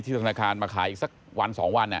ที่ธนาคารมาขายอีกสักวันสองวัน